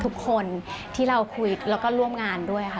ทุกคนที่เราคุยแล้วก็ร่วมงานด้วยค่ะ